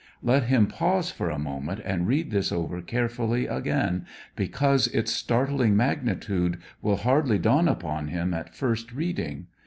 Let him pause for a moment and read this over carefully again, be cause its startling magnitude will hardly dawn upon Mm at first read ing.